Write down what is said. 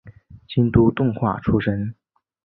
京都动画出身。